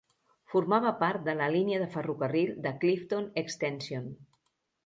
Formava part de la línia de ferrocarril de Clifton Extension.